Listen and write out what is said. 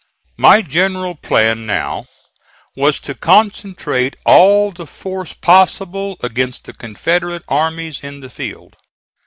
My general plan now was to concentrate all the force possible against the Confederate armies in the field.